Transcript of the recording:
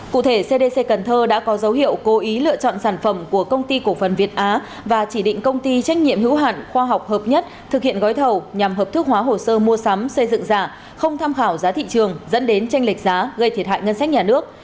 cụ thể cdc cần thơ đã có dấu hiệu cố ý lựa chọn sản phẩm của công ty cổ phần việt á và chỉ định công ty trách nhiệm hữu hạn khoa học hợp nhất thực hiện gói thầu nhằm hợp thức hóa hồ sơ mua sắm xây dựng giả không tham khảo giá thị trường dẫn đến tranh lệch giá gây thiệt hại ngân sách nhà nước